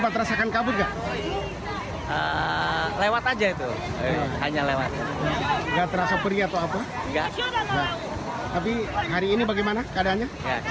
tapi hari ini bagaimana keadaannya